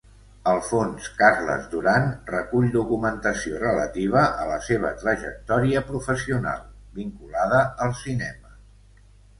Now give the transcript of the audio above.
El fons Carles Duran recull documentació relativa a la seva trajectòria professional vinculada al cinema.